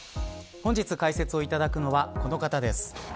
本日、解説をいただくのはこの方です。